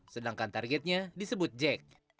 sedangkan targetnya disebut jack